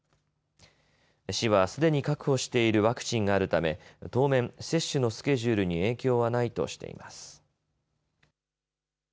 市はすでに確保しているワクチンがあるため当面、接種のスケジュールに影響はないとしています。